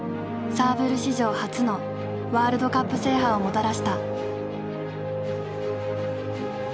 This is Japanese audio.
サーブル史上初のワールドカップ制覇をもたらした。